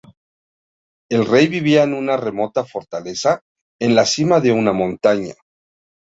El rey vivía en una remota fortaleza en la cima de una montaña.